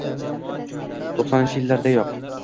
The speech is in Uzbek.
to'qsoninchi yillardayoq